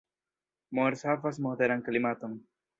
Moers havas moderan klimaton.